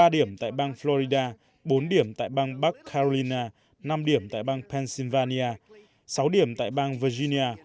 ba điểm tại bang florida bốn điểm tại bang bắc carolina năm điểm tại bang pennsylvania sáu điểm tại bang virginia